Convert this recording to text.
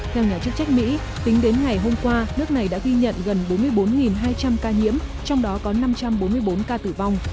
theo nhà chức trách mỹ tính đến ngày hôm qua nước này đã ghi nhận gần bốn mươi bốn hai trăm linh ca nhiễm trong đó có năm trăm bốn mươi bốn ca tử vong